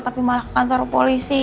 tapi malah ke kantor polisi